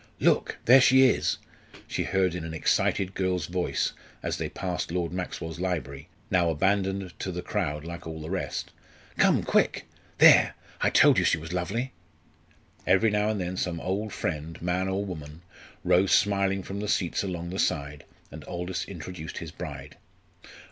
"Look, there she is," she heard in an excited girl's voice as they passed Lord Maxwell's library, now abandoned to the crowd like all the rest. "Come, quick! There I told you she was lovely!" Every now and then some old friend, man or woman, rose smiling from the seats along the side, and Aldous introduced his bride.